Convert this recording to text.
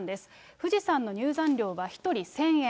富士山の入山料は１人１０００円。